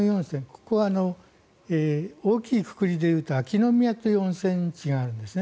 ここは大きいくくりでいうと秋ノ宮という温泉地があるんですね。